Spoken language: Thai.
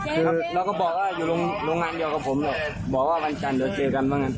คือเราก็บอกว่าอยู่โรงงานเดียวกับผมหรอกบอกว่าวันจันทร์เดี๋ยวเจอกันบ้าง